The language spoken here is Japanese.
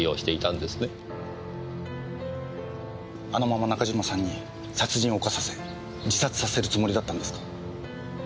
あのまま中島さんに殺人を犯させ自殺させるつもりだったんですか？